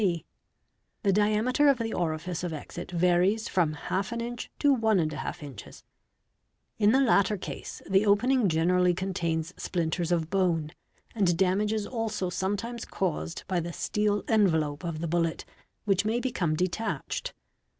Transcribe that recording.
| (c) The diameter of the orifice of exit varies from 4 inch to 14 inch. In the latter case the opening generally contains splinters of bone, and damage is also sometimes caused by the steel envelope of the bullet, which may become detached.